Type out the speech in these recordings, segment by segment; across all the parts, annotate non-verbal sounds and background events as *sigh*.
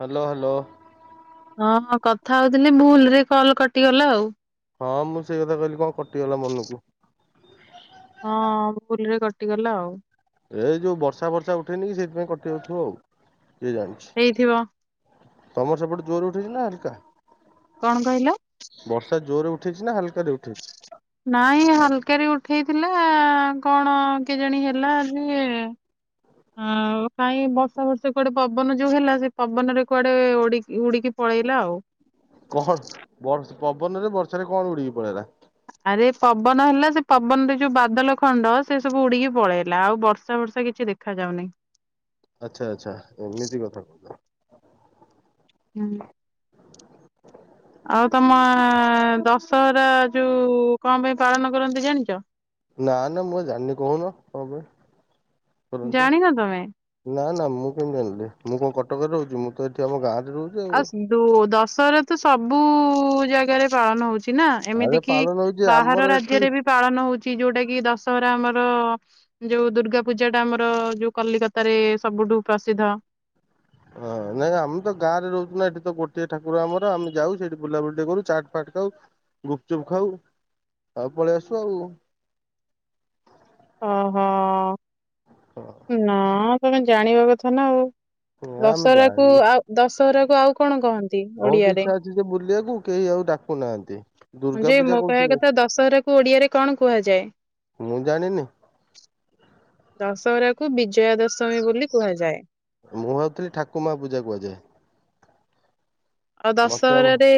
Hello hello. ହଁ କଥା ହଉଥିଲି ଭୁଲରେ କଲ କଟିଗଲା ଆଉ। ହଁ ମୁଁ ସେଇ କଥା କହିଲି କଣ କଟିଗଲା ମନକୁ। ହଁ ଭୁଲରେ କଟିଗଲା ଆଉ। ଏଇ ଯୋଉ ବର୍ଷା ଫର୍ଷା ଉଠେଇନି କି ସେଇଥିପାଇଁ କଟି ଯାଉଥିବ ଆଉ। କିଏ ଜାଣିଛି। ହେଇଥିବ। ତମର ସେପଟେ ଜୋର ଉଠେଇଛି ନା ହାଲକା? କଣ କହିଲ? ବର୍ଷା ଜୋରରେ ଉଠେଇଛି ନା ହାଲକାରେ ଉଠେଇଛି? ନାଇଁ ହାଲକାରେ ଉଠେଇଥିଲା କଣ କେଜାଣି ହେଲା ଯେ ଆଉ କାଇଁ ବର୍ଷା ଫର୍ଷା କୁଆଡେ ପବନ ଯୋଉ ହେଲା ସେ ପବନରେ କୁଆଡେ ଉଡିକି ଉଡ଼ିକି ପଳେଇଲା ଆଉ କଣ ବର୍ଷ ପବନରେ ବର୍ଷାରେ କଣ ଉଡିକି ପଳେଇଲା? ୟେ ପବନ ହେଲା ସେ ପବନରେ ଯୋଉ ବାଦଲ ଖଣ୍ଡ ସେ ସବୁ ଉଡିକି ପଳେଇଲା ଆଉ ବର୍ଷା ଫର୍ଷା କିଛି ଦେଖ ଖାଯାଉନହିଁ। ଆଛା ଆଚ୍ଛା ଏମିତି କଥା କହୁଛ। ହୁଁ। ଆଉ ତମ ଦଶହରା ଯୋଉ କଣ ପାଇଁ ପାଳନ କରନ୍ତି ଜାଣିଚ? ନା ନା ମୁଁ ଜାଣିନି କହୁନ କଣ ପାଇଁ? କରନ୍ତି ଜାଣିନ ତମେ? ନା ନା ମୁଁ କେମିତି ଜାଣିଲି ମୁଁ କଣ କଟକରେ ରହୁଛି ମୁଁ ତ ଏଠି ଆମ ଗାଁରେ ଆଉ ଶ୍ ଦୁ ଦଶହରା ତ ସବୁ ଜାଗାରେ ପାଳନ ହଉଛି। ନା ଏମିତି ଆରେ କି ପାଳନ ହଉଛି ଆମର ବାହାର ଏଠି ରାଜ୍ୟରେ ବି ପାଳନ ହଉଛି ଯୋଉଟା କି ଦଶହରା ଆମ ର ଯୋଉ ଦୁର୍ଗା ପୂଜାଟା ଆମର ଯୋଉ କଲିକତାରେ ସବୁଠୁ ପ୍ରସିଦ୍ଧ *inaudible* ହଁ ନାଇଁ ଆମେ ତ ଗାଁରେ ରହୁଚୁ ନା ଏଠି ତ ଗୋଟିଏ ଠାକୁର ଆମର ଆମେ ଯାଉ ସେଠି ବୁଲାବୁଲି ଟିକେ କରୁ ଚାଟ ଫାଟ ଖାଉ ଗୁପଚୁପ ଖାଉ ଆଉ ପଳେଇ ଆସୁ ଆଉ। *inaudible* ଓହୋ ନା ତମେ ଜାଣିବା କଥା ନା ଆଉ। ହଁ ଆମେ ଦଶହରା କୁ ଜାଣିନୁ ଆଉ ଦଶହରା କୁ ଆଉ କଣ କହନ୍ତି ଓଡିଆରେ। କୁ କେହି ଆଉ ଡାକୁନାହାନ୍ତି। ହଁ ଦୁର୍ଗା ଯେ ପୂଜା ମୋ କହିବା କହୁଥିବେ କଥା ଦଶହରା କୁ ଓଡିଆରେ କଣ କୁହାଯାଏ। ମୁଁ ଜାଣିନି ଦଶ ହରା କୁ। ବିଜୟା ଦଶମୀ ବୋଲି କୁହାଯାଏ। ମୁଁ ଭାବୁଥିଲି ଠାକୁମା ପୂଜା କୁହାଯାଏ। ଆଉ ମତେ ଆମ ଦଶହରାରେ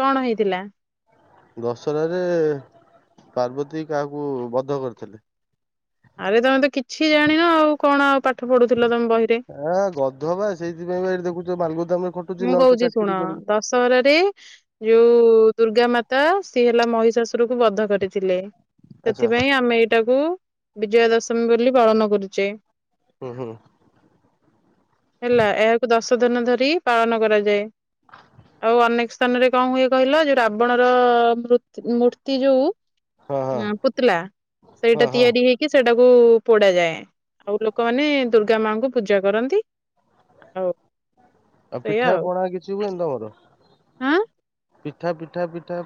କଣ ହେଇଥିଲା। ଦଶରା ରେପାର୍ବତୀ କାହାକୁ ବଧ କରିଥିଲେ। ଆରେ ତମେ ତ କିଛି ଜାଣିନ ଆଉ କଣ ଆଉ ପାଠ ପଢୁଥିଲ ତମ ବହିରେ। ଆ ଗଧ ବା ସେଇଥିପାଇଁ ବା ଏଇଠି ଦେଖୁଛ ମାଲ ଗୋ। ମୁଁ କହୁଛି ଶୁଣ ଦଶହରାରେ ଯୋଉ। ଦୁର୍ଗା ମାତା ସିଏ ହେଲା ମହିଷାଶୁର କୁ ବଧ କରିଥିଲେ। ଆଚ୍ଛା ସେଥିପାଇଁ ଆମେ ଏଇଟାକୁ ବିଜୟା ଦଶମୀ ବୋଲି ପାଳନ କରୁଛେ। ହୁଁ ହୁଁ ହେଲା ଏହାକୁ ଦଶ ଦିନ ଧରି। ପାଳନ କରାଯାଏ। ଆଉ ଅନେକ ସ୍ଥାନରେ କଣ ହୁଏ କହିଲ ଯୋଉ ରାବଣର ମୂର୍ତ୍ ମୂର୍ତ୍ତି ଯୋଉ। ହଁ ପୁତଲା ହଁ ସେଇଟା ହଁ ତିଆରି ହେଇକି ସେଟା। ସେଟାକୁ ପୋଡା ଯାଏ ଆଉ ଲୋକ ମାନେ ଦୁର୍ଗା ମାଙ୍କୁ ପୂଜା କରନ୍ତି। ହଉ ଆଉ ପିଠା ପଣା କିଛି ହୁଏନି ତମର? ହଁ ପିଠା ପିଠା ପିଠା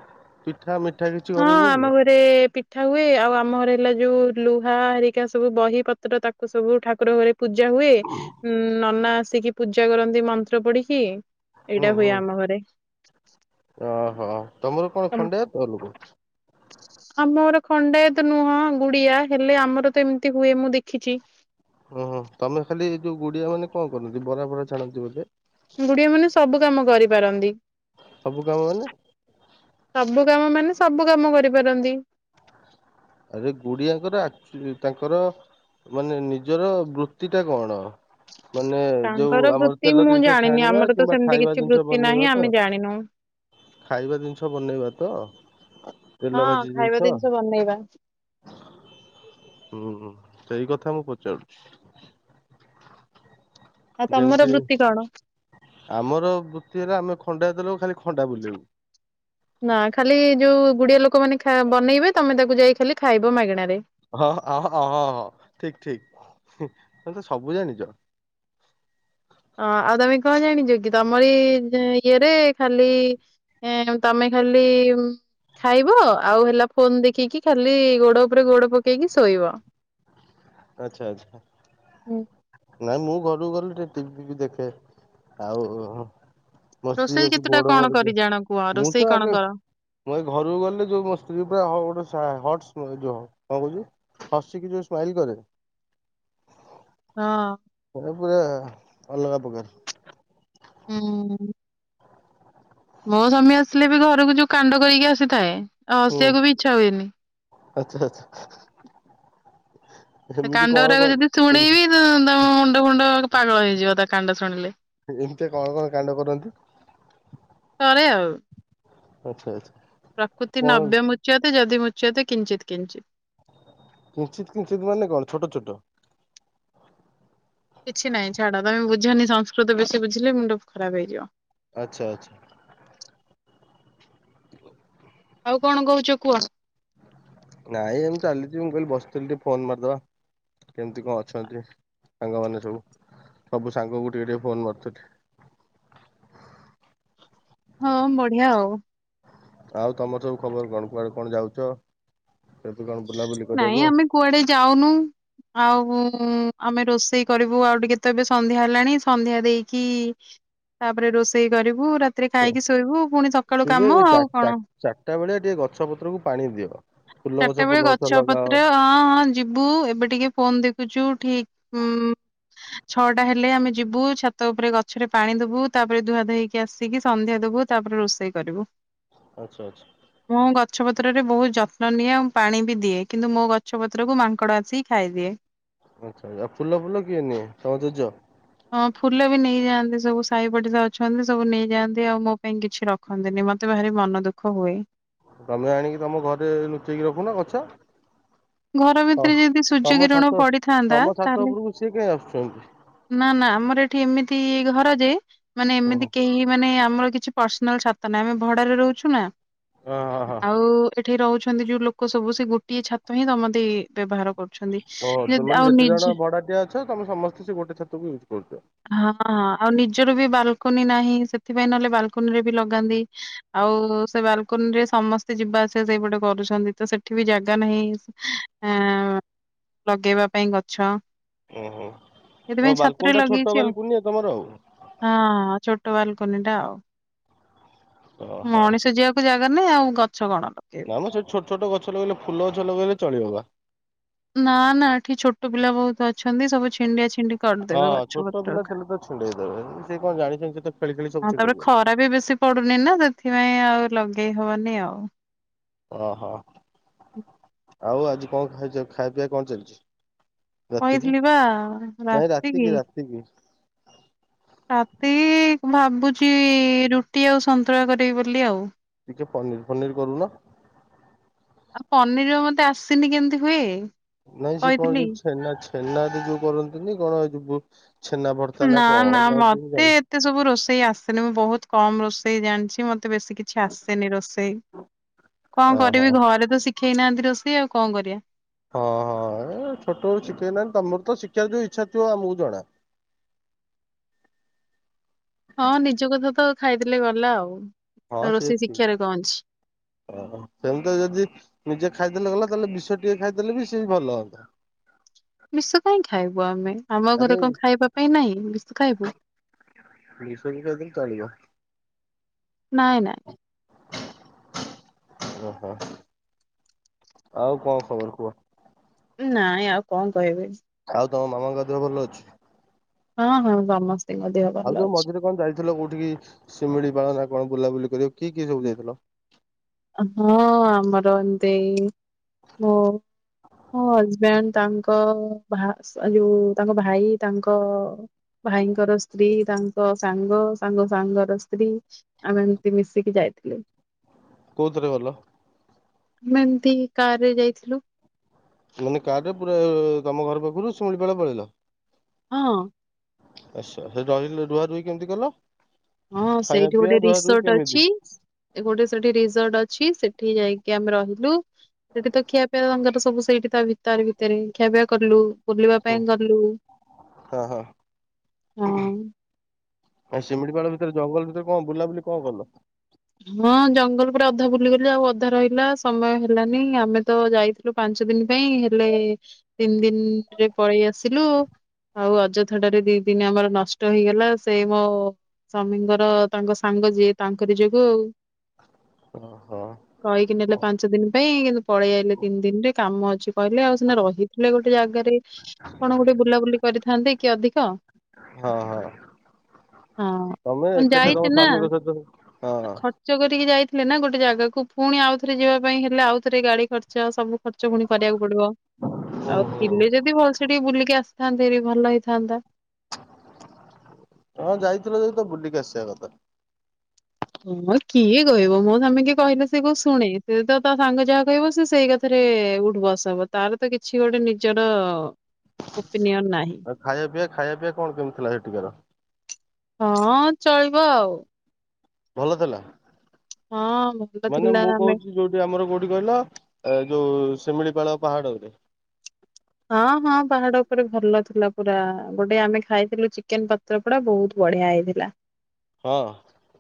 ପିଠା ମିଠ୍ ହଁ ଆମ ଘରେ ପି ଠା ହୁଏ ଆଉ ଆମ ଘର ହେଲା ଯୋଉ ଲୁହା ହରିକା ସବୁ ବହି ପତ୍ର ତାକୁ ସବୁ ଠାକୁର ଘରେ ପୂଜା ହୁଏ ଉଁ ନନା ଆସିକି ପୂଜା କରନ୍ତି ମନ୍ତ୍ର ପଢିକି। ହୁଁ ଏଇଟା ହୁଏ ହୁଁ। ଆମ ଘରେ ଓହୋ ତମର କଣ ଖଣ୍ଡାୟତ ଲୋକ? ଆମର ଖଣ୍ଡାୟତ ନୁହଁ ଗୁଡିଆ ହେଲେ ଆମର ତ ଏମିତି ହୁଏ ମୁଁ ଦେଖିଛି। ଓହୋ ତମେ ଖାଲି ଏଇ ଯୋଉ ଗୁଡିଆ ମାନେ କଣ କରନ୍ତି ବରା ବରା ଛାଣନ୍ତି ବୋଧେ। ଗୁଡିଆ ମାନେ ସବୁ କାମ କରିପାରନ୍ତି। ସବୁ କାମ ମାନେ ସବୁ କାମ ମାନେ ସବୁ କାମ କରିପାରନ୍ତି। ଆରେ ଗୁଡିଆଙ୍କର ଆକ୍ଟୁଲି ତାଙ୍କର ମାନେ ନିଜର ବୃତ୍ତି ଟା କଣ? ମାନେ ଯୋଉ ତାଙ୍କର ଆମର ବୃତ୍ତି ତେଲ ମୁଁ ଜିନିଷ ଜାଣିନି ଛାଣିବା ଆମର ତ କିମ୍ବା ସେମିତି ଖାଇବା କିଛି ଜିନିଷ ବୃତ୍ତି ନାହିଁ ବନେଇବା ଆମେ ତ? ଜାଣିନୁ ଖାଇବା ଜିନିଷ ବନେଇବା ତ? ତେଲ ହଁ ଭାଜି ଖାଇବା ଜିନିଷ ବନେଇବା। ହୁଁ ସେଇ କଥା ମୁଁ ପଚାରୁଛି। ଆଉ ଯେମିତି ତମର ବୃତ୍ତି କଣ? ଆମର ବୃତ୍ତିରେ ଆମେ ଖଣ୍ଡାୟ ଦଲୁ ଖାଲି ଖଣ୍ଡା ବୁଲେଇବୁ ନା ଖାଲି ଯୋଉ ଗୁଡିଆ ଲୋକମାନେ ଖାଇ ବନେଇବେ ତମେ ତାକୁ ଯାଇ ଖାଲି ଖାଇବ ମାଗଣାରେ ହଁ ହଁ ଅହଁ ଅ ହଁ ଠିକ୍ ଠିକ୍ ତେମେ ତ ସବୁ ଜାଣିଚ। *inaudible* ହଁ ଆଉ ତମେ କଣ ଜାଣିଛ କି ତମରି ଇଏରେ ଖାଲି ଏଁ ତମେ ଖାଲି ଉଁ। ଖାଇବ। ଆଉ ହେଲା ଫୋନ ଦେଖିକି ଖାଲି ଗୋଡ ଉପରେ ଗୋଡ ପକେଇକି ଶୋଇବ। ଆଚ୍ଛା! ଆଚ୍ଛା! ହୁଁ। ନାଇଁ ମୁଁ ଘର ଆଡୁ ଗଲେ ଟିକେ ଟି ଭି ଫିଭି ଦେଖେ, ଆଉ ମୋ ସ୍ତ୍ରୀ ରୋଷେଇ ଆସି କେତେଟା ଗୋଡ କଣ କରି ମୋଡିଦେଏ ଜାଣ କୁହ ମୁଁ ରୋଷେଇ ତ କଣ ଆଗେ କର? ମୁଁ ଏଇ ଘରକୁ ଗଲେ ଯୋଉ ମୋ ସ୍ତ୍ରୀ ପୁରା ହଁ ଗୋଟେ ଆଚ୍ଛା ହଟ୍ସ୍ ଯୋଉ କଣ କହୁଛ ହସିକି ଯୋଉ ସ୍ମାଇଲ କରେ? ମାନେ ହଁ। ପୁରା ଅଲଗା ପ୍ରକାର ହୁଁ। ମୋ ସ୍ୱାମୀ ଆସିଲେ ବି ଘରକୁ ଯୋଉ କାଣ୍ଡ କରିକି ଆସିଥାଏ ଆଉ ହୁଁ ହସିବାକୁ ବି ଇଚ୍ଛା ହୁଏନି। ଆଚ୍ଛା ଆଚ୍ଛା। ତା ଏମିତି କାଣ୍ଡ କଣ ଗୁରାକ କଣ ଯଦି ଏମ- ଶୁଣେଇବି ତୋ ତମ ମୁଣ୍ଡ ଫୁଣ୍ଡ ପାଗଳ ହେଇଯିବ ତା କାଣ୍ଡ ଶୁଣିଲେ ଏନ୍ତିଆ କଣ କଣ କାଣ୍ଡ କରନ୍ତି? କରେ ଆଉ। ଆଚ୍ଛା ଆଚ୍ଛା। ପ୍ରକୃତି କଣ ନଵ୍ୟ ମୁଚ୍ୟତେ ଯଦି ମୁଚ୍ୟତେ କିଞ୍ଚିତ୍ କିଞ୍ଚିତ୍। କିଞ୍ଚିତ କିଞ୍ଚିତ ମାନେ କଣ ଛୋଟ ଛୋଟ। କିଛି ନାହିଁ ଛାଡ ତମେ ବୁଝନି ସଂସ୍କୃତ ବେଶୀ ବୁଝିଲେ ମୁଣ୍ଡ ଖରାପ ହେଇଯିବ। ଆଚ୍ଛା ଆଚ୍ଛା। ଆଉ କଣ କହୁଛ କୁହ? ନାଇଁ ଏମିତି ଚାଲିଛି ମୁଁ କହିଲି ବସିଥିଲି ଟିକେ ଫୋନ ମାରିଦବା। କେମିତି କଣ ଅଛନ୍ତି ସାଙ୍ଗମାନେ ସବୁ। ସବୁ ସାଙ୍ଗକୁ ଟିକେ ଟିକେ ଫୋନ ମାରୁଥିଲି। *inaudible* ହଁ ବଢିଆ ଆଉ। ଆଉ ତମର ସବୁ ଖବର କଣ କୁଆଡେ କଣ ଯାଉଛ। କେବେ କଣ ବୁଲାବୁଲି ନାଇଁ କରିବାକୁ ଆମେ କୁଆଡେ ଯାଉନୁ ଆଉ। ହୁଁ ଆମେ ରୋଷେଇ କରିବୁ ଆଉ ଟିକେ ତ ଏବେ ସନ୍ଧ୍ୟା ହେଲାଣି ସନ୍ଧ୍ୟା ଦେଇକି। ତାପରେ ରୋଷେଇ କରିବୁ ରାତିରେ ଖାଇକି ଶୋଇବୁ ପୁଣି ସକାଳୁ କାମ ଆଉ କଣ। ଗୋଟିଏ ଗଛପତ୍ରକୁୁ ପାଣି ଦିଅ। ଫୁଲ ଚାରିଟା ଫୁଲ ବେଳେ ଗଛ ଲଗାଅ ପତ୍ର ହଁ ହଁ ଯିବୁ ଏବେ ଟିକେ ଫୋନ ଦେଖୁ। ଛୁ ଠିକ ହୁଁ। ଛଅଟା ହେଲେ ଆମେ ଯିବୁ ଛାତ ଉପରେ ଗଛରେ ପାଣି ଦବୁ ତାପରେ ଧୁଆ ଧୁଇ ହେଇକି ଆସିକି ସନ୍ଧ୍ୟା ଦବୁ। ତାପରେ ରୋଷେଇ କରିବୁ। ଆଚ୍ଛା ଆଚ୍ଛା। ମୁଁ ଗଛ ପତ୍ରରେ ବହୁତ ଯତ୍ନ ନିଏ ଆଉ ମୁଁ ପାଣି ବି ଦିଏ କିନ୍ତୁ ମୋ ଗଛ ପତ୍ରକୁ ମାଙ୍କଡ ଆସିକି ଖାଇଦିଏ। ଆଚ୍ଛା ଆଉ ଫୁଲ ଫୁଲ କିଏ ନି ତାଙ୍କ ଯେଜ। ହଁ ଫୁଲ ବି ନେଇଯାଆନ୍ତି ସବୁ ସାହି ପଡିଶା ଅଛନ୍ତି ସବୁ ନେଇ ଯାଆନ୍ତି ଆଉ ମୋ ପାଇଁ କିଛି ରଖନ୍ତିନି। ମତେ ଭାରି ମନ ଦୁଃଖ ହୁଏ। ତମେ ଆଣିକି ତମ ଘରେ ଲୁଚେଇକି ରଖୁ ନ ଗଛ। ଘର ହଁ ଭିତରେ ଯଦି ସୂର୍ଯ୍ୟ ତମ କିରଣ ଛାତ ପଡିଥାନ୍ତା ତମ ଛାତ ତାହେଲେ ଉପରକୁ ସିଏ କାଇଁ ଆସୁଛି। ନା ନା ଆମର ଏଠି ଏମିତି ଘର ଯେ ମାନେ ଓହୋ। ଏମିତି କେହି ମାନେ। ଆମର କିଛି ପର୍ସନାଲ ଛାତ ନାହିଁ ଆମେ ଭଡାରେ ରହୁଛୁ ନା ହଁ ହଁ ହଁ ଆଉ ଏଠି ରହୁ ଛ। ଛନ୍ତି ଯୋଉ ଲୋକ ସବୁ ସେଇ ଗୋଟିଏ ଛାତ ହିଁ ସମତେ ବ୍ୟବହାର। କରୁଛନ୍ତି। ଓ ତ ଯଦି ମାନେ ଆଉ ଯେତେ ନିଜେ ଜଣ ଭଡାଟିଏ ଅଛ ତମେ ସମସ୍ତେ ସେ ଗୋଟେ ଛାତକୁ ଇଉଜ୍। ହଁ ହଁ ଆଉ ନିଜର ବି ବାଲକୁନି ନାହିଁ। ହିଁ ସେଥିପାଇଁ ନହେଲେ ବାଲକୁନି ରେ ବି ଲଗାନ୍ତି ଆଉ ସେ ବାଲକୁନି ରେ ସମସ୍ତେ ଯିବା ଆସିବା ସେଇ। ପଟେ କରୁଛନ୍ତି ତ ସେଠି ବି ଜାଗା ନାହିଁ ଆ। ଲଗେଇବା ପାଇଁ ଗଛ। ଓହୋ ଓ ବାଲକୁନି ଟା ଛୋଟ ବାଲ୍ ହଁ ହଁ ଛୋଟ ବାଲକୁନି ଟା ଆଉ। ଓହୋ ମଣିଷ ଯିବାକୁ ଜାଗା ନାହି ଆଉ ଗ ନା ମ ସେଇ ଛୋଟ ଛୋଟ ଗଛ ଲଗେଇଲେ ଫୁଲ ଗଛ ଲଗେଇଲେ ଚଳିବ ବା। ନା ନା ଏଠି ଛୋଟ ପିଲା ବହୁତ ଅଛନ୍ତି ସବୁ ଛିଣ୍ଡା ଚିଣ୍ଡି। ହଁ ଛୋଟ ପିଲା ଥିଲେ ତ ଛିଣ୍ଡେଇଦବେ ସେ କଣ ଜାଣିଛନ୍ତି ସେ ତ ଖେଳି ଖେଳି ସବୁ ଛିଣ୍ଡେଇ ଦେବେ। ବେଶ ପଡୁନି ନା ସେଥିପାଇଁ ଆଉ ଲଗେଇ ହବନି ଆଉ। ଓହୋ ଆଉ ଆଜି କଣ ଖାଇଛ ଖାଇ ପିଇ କଣ ଚାଲିଛି? ରାତିକି? କହିଥିଲି ବା ନାଇଁ ରାତି କିି ରାତିକି ରାତିକି ରାତି ଭାବୁଛି ରୁଟି ଆଉ ସନ୍ତୁଳା କରିବି ବୋଲି ଆଉ। ଟିକେ ପନିର ପନିର କରୁନ। ଆଉ ପନିର ମତେ ଆସିନି କେମିତି ହୁଏ? ନାଇଁ ସେ କଣ କହିଥିଲି। ଯୋଉ ଛେନା ଛେନାରେ ଯୋଉ କରନ୍ତିନି କଣ ଯ ନା ନା ମତେ ଏତେ ସବୁ ରୋଷେଇ ଆସନି ମୁଁ ବହୁତ କମ ରୋଷେଇ ଜାଣିଛି ମତେ ବେଶୀ କିଛି ଆସେନି ରୋଷେଇ କଣ ଓହୋ। କରିବି ଘରେ ତ ଶି ଖେଇନାହାନ୍ତି ରୋଷେଇ ଆଉ କଣ କରିବା? ହଁ ହଁ। ଏ ଛୋଟବେଳୁ ଶିଖେଇ ନାହି ତମର ତ ଶିଖାର ଯୋଉ ଇଚ୍ଛା ଥିବ ଆମକୁ ଜଣା। ହଁ ନିଜ କଥା ତ ଖାଇଦେଲେ ଗଲା ଆଉ। ହଁ ରୋଷେଇ ସେଠ ଶିଖିବାରେ କଣ ଅଛି। ଓହୋ ସେମିତି ଯଦି ନିଜେ ଖାଇଦେଲେ ଗଲା ହେଲେ ବିଷ ଟିକେ ଖାଇଦେଲେ ବି ସେ ବି ଭଲ ହୁଅନ୍ତା। ବିଷ କାଇହିଁ ଖାଇବୁ ଆମେ ଆମ ଘରେ ଆରେ କଣ ଖାଇବା ପାଇଁ ନାହିଁ ବିଷ ଖାଇବୁ। *unintelligible* ନାଇଁ ନାଇଁ। ଓହୋ ଆଉ କଣ ଖବର କୁହ? ନାଇଁ ଆଉ କଣ କହିବି? ଆଉ ତମ ମାମା ଙ୍କ ଦେହ ଭଲ ଅଛି। ହଁ ହଁ ସମସ୍ତେ। ଆଉ ଯୋଉ ମଝିରେ କଣ ଯାଇଥିଲ କୋଉଠିକି ସିମିଳିପାଳନା କଣ ବୁଲାବୁଲି କରିବାକୁ। କି କି ସବୁ ଯାଇଥିଲ? ହଁ ଆମର ଦେଇ ହ। ହଁ ହଜବଣ୍ଡ ତାଙ୍କ ଯୋଉ ତାଙ୍କ ଭାଇ ତାଙ୍କ ଭାଇଙ୍କର ସ୍ତ୍ରୀ ତାଙ୍କ ସାଙ୍ଗ ସାଙ୍ଗ ସାଙ୍ଗର ସ୍ତ୍ରୀ ଆମେ ଏମତି ମିଶିକି ଯାଇଥିଲୁ। *inaudible* କୋଉଥିରେ ଗଲ? ଆମେ ଏମିତି କାର ରେ ଯାଇଥିଲୁ? ମାନେ କାର ରେ ପୁରା ତମ ଘର ପାଖରୁ ଶିମିଳି ପାଳ ପଳେଇଲ। ହଁ। ଆଚଛା ସେ ରହିଲେ ରୁହା ରୁହି କେମିତି ଗଲ? ହଁ ସେଇଠି ଗୋଟେ ରିସୋର୍ଟ କେମିତି? ଅଛି ଗୋଟେ ସେଠି ରିସର୍ଟ ଅ ଛି, ସେଠି ଯାଇକି ଆମେ ରହିଲୁ ସେଠି ତ ଖିଆପିଆ ରଙ୍ଗର ସବୁ ସେଇଠି ତା ଭିତରେ ଭିତରେ ଖିଆ ପିଆ କଲୁ। ବୁଲିବା ହୁଁ ପାଇଁ ଗଲୁ ହଁ ହଁ ହଁ। ଆ ଶିମିଡିପାଡ ଭିତରେ ଜଙ୍ଗଲ ଭିତରେ କଣ ବୁଲାବୁଲି କଣ କଲ? ହଁ ଜଙ୍ଗଲ ପୁରା ଅଧା ବୁଲିଗଲି ଆଉ ଅଧା ରହିଲା ସମୟ ହେଲାନି ଆମେ ତ ଯାଇଥିଲୁ ପାଞ୍ଚ ପାଞ୍ଚ ଦିନ ପାଇଁ ହେଲେ ତିନି ଦିନରେ ପଳେଇ ଆସିଲୁ ଆଉ ଅଯଥାଟାରେ ଦି ଦିନ ଆମର ନଷ୍ଟ ହେଇଗଲା ସେଇ ମୋ ସାମୀଙ୍କର ତାଙ୍କ ସାଙ୍ଗ ଯିଏ ତାଙ୍କରି ଯୋଗୁ ଆଉ। ଓହୋ କହିକି ନେଲେ ପାଞ୍ଚ ଦିନ ପାଇଁ କିନ୍ତୁ ପଳେଇ ଆଇଲେ ତିନି ଦିନରେ କାମ ଅଛି କହିଲେ ଆଉ ସିନା ରହିଥିଲେ ଗୋଟେ ଜଗରେ କଣ ଗୋଟେ ବୁଲାବୁଲି କରିଥାନ୍ତି କି ଅଧିକ ହଁ ହଁ। ହଁ। ଏକାଠେ ତମ ସଵାମୀଙ୍କ ସହିତ ହଁ। ଉ ଖର୍ଚ୍ଚ କରିକି ଯାଇଥା ହେଲେ ନା ଗୋଟେ ଜାଗାକୁ ପୁଣି ଆଉଥରେ ଯିବା ପାଇଁ ହେଲେ ଆଉଥରେ ଗାଡି ଖର୍ଚ୍ଚ ସବୁ ଖର୍ଚ୍ଚ ପୁଣି କରିବାକୁ ପଡିବ। ଓ ଆଉ ହୋ ଥିଲେ ଯଦି ଭଲ ସେ ଟିକେ ବୁଲିକି ଆସିଥାନ୍ତେ ଭଲ ହେଇଥାନ୍ତା। *inaudible* ହଁ ଯାଇଥିଲ ଯ ତ ବୁଲିକି ଆସିବା କଥା। ହଁ କିଏ କହିବ ମୁଁ ତମେ କି କହିଲେ ସେ କଉ ଶୁଣେ ସେ ତ ତା ସାଙ୍ଗ ଯାହା କହିବ ସେ ସେଇ କଥାରେ ଉଠବସ ହବ ତାର ତ କିଛି ଗୋଟେ ନିଜର ଓପିନିଅନ ନାହିଁ ଆଉ ଖାଇବା ପିଇ ଖାଇବା ପିଇ କଣ କେମିତି ଥିଲା ସେଠିକାର ହଁ ଚଳିବ ଆଉ ଭଲ ଦେଥିଲା ଆଉ ହଁ ଭଲ ମାନେ ଥିଲା ମୁଁ ଆମେ କହୁଛି ଯୋଉଠି ଆମର କୋଉଠି କହିଲ ଯୋଉ ଶିମଳିପଡ଼ ପହାଡ଼ ଉପରେ ହଁ ହଁ ପାହାଡ ଉପରେ ଭଲ ଥିଲା ପୁରା ଗୋଟେ ଆମେ ଖାଇଥିଲୁ ଚିକେନ ପତ୍ର ପଡା ବହୁତ ଭ ବଢିଆ ହେଇଥିଲା। ହଁ।